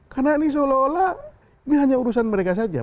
karena ini seolah olah ini hanya urusan mereka saja